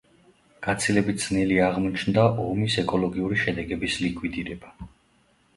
გაცილებით ძნელი აღმოჩნდა ომის ეკოლოგიური შედეგების ლიკვიდირება.